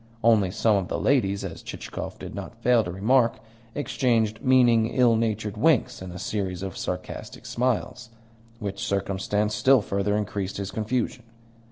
Only some of the ladies (as Chichikov did not fail to remark) exchanged meaning, ill natured winks and a series of sarcastic smiles: which circumstance still further increased his confusion.